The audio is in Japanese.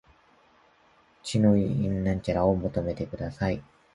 血の遺志を求めてください